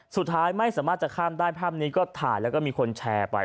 สุดท้ายไม่สามารถจะข้ามได้ภาพนี้ก็ถ่ายแล้วก็มีคนแชร์ไป